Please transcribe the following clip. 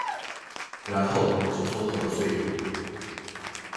然后就蹉跎了岁月